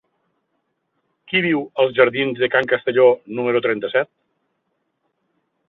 Qui viu als jardins de Can Castelló número trenta-set?